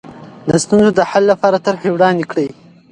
د ستونزو د حل لپاره طرحې وړاندې کړئ.